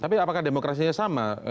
tapi apakah demokrasinya sama